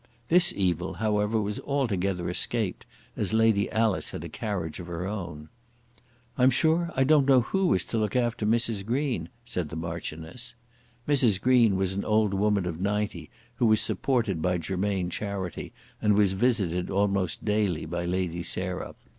This evil, however, was altogether escaped, as Lady Alice had a carriage of her own. "I'm sure I don't know who is to look after Mrs. Green," said the Marchioness. Mrs. Green was an old woman of ninety who was supported by Germain charity and was visited almost daily by Lady Sarah.